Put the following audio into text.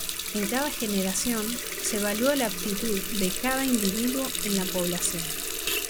En cada generación, se evalúa la aptitud de cada individuo en la población.